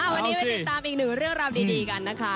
วันนี้ไปติดตามอีกหนึ่งเรื่องราวดีกันนะคะ